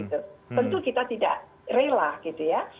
tentu kita tidak rela gitu ya